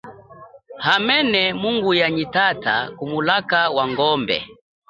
Hamene mungu ya nyi tata ku mulaka wa ngombe.